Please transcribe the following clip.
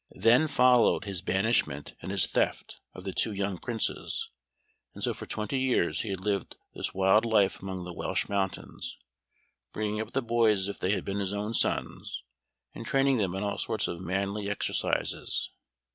Then followed his banishment and his theft of the two young Princes; and so for twenty years he had lived this wild life among the Welsh mountains, bringing up the boys as if they had been his own sons, and training them in all sorts of manly exercises.